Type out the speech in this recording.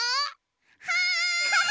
はい！